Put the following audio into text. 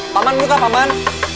paman buka paman